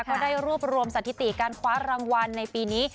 ก็ได้รวบรวมสถิติการคว้ารางวัลในปีนี้